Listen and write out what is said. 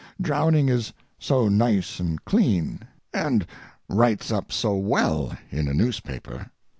Drowning is so nice and clean, and writes up so well in a newspaper.